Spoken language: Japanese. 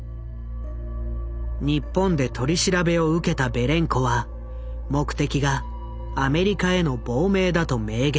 日本で取り調べを受けたベレンコは目的がアメリカへの亡命だと明言。